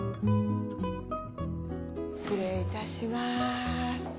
失礼いたします。